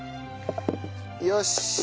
よし！